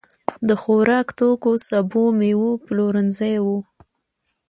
د خوراکتوکو، سبو، مېوو پلورنځي وو.